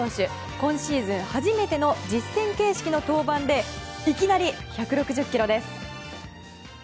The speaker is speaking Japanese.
今シーズン初めての実戦形式の登板でいきなり１６０キロです。